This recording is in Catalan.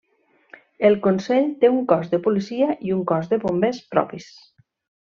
El consell té un cos de policia i un cos de bombers propis.